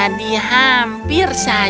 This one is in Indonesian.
tadi hampir saja